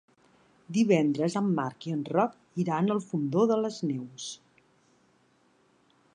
Divendres en Marc i en Roc iran al Fondó de les Neus.